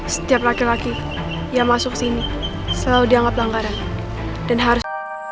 setiap laki laki yang masuk sini selalu dianggap langgaran dan harus